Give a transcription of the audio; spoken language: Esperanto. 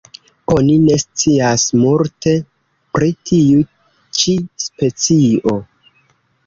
Oni ne scias multe pri tiu ĉi specio.